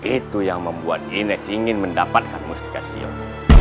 itu yang membuat ines ingin mendapatkan mustigasiun